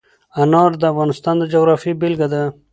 انار د افغانستان د جغرافیې بېلګه ده.